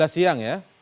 dua belas siang ya